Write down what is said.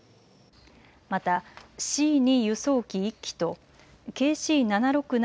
またＣ２輸送機１機とＫＣ７６７